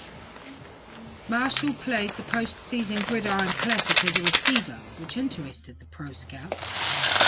Marshall played the post-season Gridiron Classic as a receiver, which interested the pro scouts.